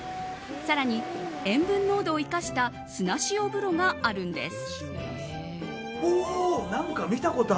更に、塩分濃度を生かした砂塩風呂があるんです。